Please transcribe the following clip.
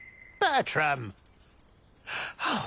はあ